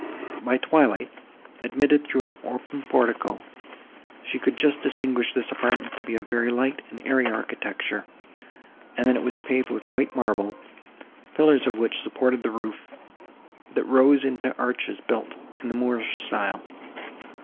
By the twilight, admitted through an open portico, she could just distinguish this apartment to be of very light and airy architecture, and that it was paved with white marble, pillars of which supported the roof, that rose into arches built in the Moorish style.